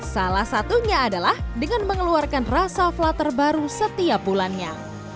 salah satunya adalah dengan mengeluarkan rasa flat terbaru setiap bulannya